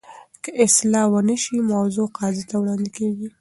که اصلاح ونه شي، موضوع قاضي ته وړاندي کیږي.